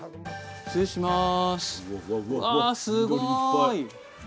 失礼します。